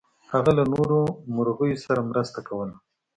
هغه له نورو مرغیو سره مرسته کوله.